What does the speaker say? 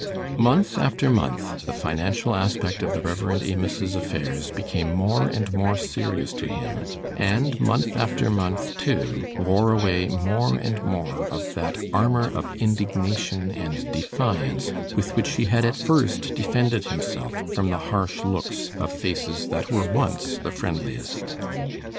Month after month the financial aspect of the Rev. Amos's affairs became more and more serious to him, and month after month, too, wore away more and more of that armour of indignation and defiance with which he had at first defended himself from the harsh looks of faces that were once the friendliest.